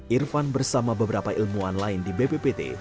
irfan bersama beberapa ilmuwan lain di bppt